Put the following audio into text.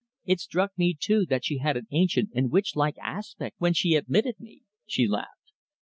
It struck me, too, that she had an ancient and witch like aspect when she admitted me," she laughed.